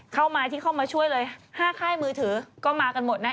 เข้ามาที่เข้ามาช่วยเลย๕ค่ายมือถือก็มากันหมดนะ